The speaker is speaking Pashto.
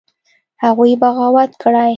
هغوى بغاوت کړى.